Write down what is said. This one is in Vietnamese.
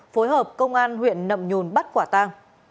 phối hợp công an huyện nậm nhùn bắt quả tang